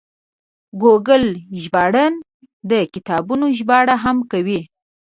ګوګل ژباړن د کتابونو ژباړه هم کوي.